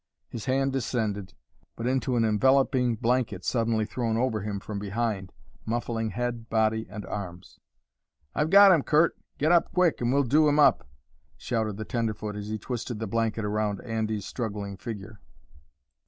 His hand descended, but into an enveloping blanket suddenly thrown over him from behind, muffling head, body, and arms. "I've got him, Curt! Get up, quick, and we'll do him up!" shouted the tenderfoot as he twisted the blanket around Andy's struggling figure.